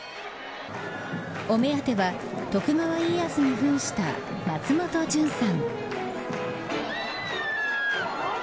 お目当ては徳川家康に扮した松本潤さん。